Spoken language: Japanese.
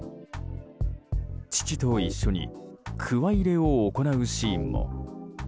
父と一緒にくわ入れを行うシーンも。